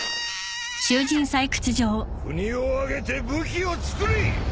国を挙げて武器を作れ！